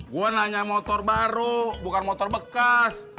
gue nanya motor baru bukan motor bekas